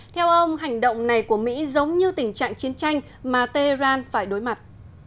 theo ông hành động này của mỹ giống như tình trạng chiến tranh mà tehran phải đối mặt